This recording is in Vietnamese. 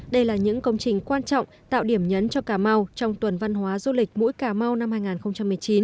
đây là những công trình quan trọng tạo điểm nhấn cho cà mau trong tuần văn hóa du lịch mũi cà mau năm hai nghìn một mươi chín